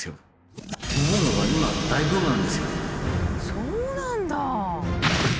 そうなんだ！